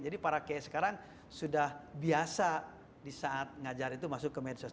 jadi para kiai sekarang sudah biasa di saat ngajar itu masuk ke media sosial